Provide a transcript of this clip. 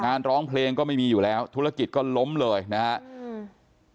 ร้องเพลงก็ไม่มีอยู่แล้วธุรกิจก็ล้มเลยนะครับ